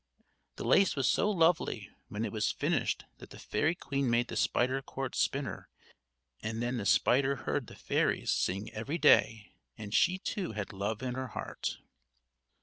The lace was so lovely when it was finished, that the fairy queen made the spider court spinner; and then the spider heard the fairies sing every day, and she too had love in her heart.